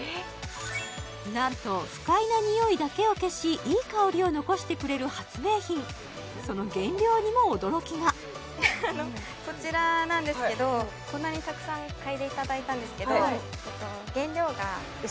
何と不快な臭いだけを消しいい香りを残してくれる発明品その原料にも驚きがこちらなんですけどこんなにたくさんかいでいただいたんですけどはいええっ！